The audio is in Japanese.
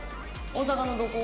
大阪のどこ？